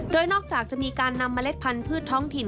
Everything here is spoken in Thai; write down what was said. โดยนอกจากจะมีการนำเมล็ดพันธุ์ท้องถิ่น